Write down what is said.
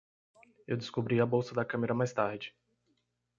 Eu descobri a bolsa da câmera mais tarde.